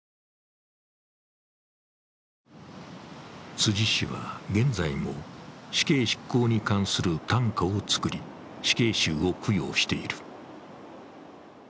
辻氏は現在も死刑執行に関する短歌を作り、死刑囚を供養している。